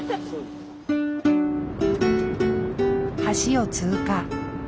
橋を通過。